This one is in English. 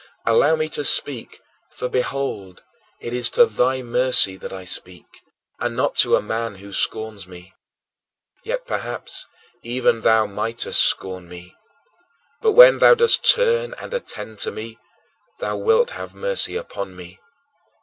Allow me to speak, for, behold, it is to thy mercy that I speak and not to a man who scorns me. Yet perhaps even thou mightest scorn me; but when thou dost turn and attend to me, thou wilt have mercy upon me.